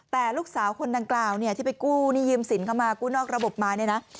แต่ลูกสาวคนดังกล่าวเนี่ยที่ไปกู้หนี้ยืมสินเข้ามากู้นอกระบบมาเนี่ยนะ